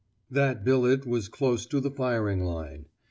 That billet was close to the firing line.